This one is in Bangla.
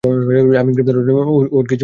আমি গ্রেফতার হলে ওর কিছু আসতো-যেতো না।